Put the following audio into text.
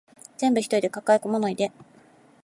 全部一人で抱え込まないで